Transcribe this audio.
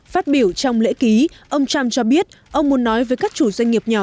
phát biểu trong lễ ký ông trump cho biết ông muốn nói với các chủ doanh nghiệp nhỏ